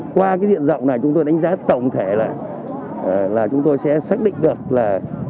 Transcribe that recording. qua cái diện rộng này chúng tôi đánh giá tổng thể là chúng tôi sẽ xác định được là